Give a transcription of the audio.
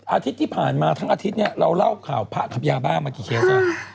อาทิตย์ที่ผ่านมาทั้งอาทิตย์เนี่ยเราเล่าข่าวพระกับยาบ้ามากี่เคส